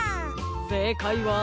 せいかいは。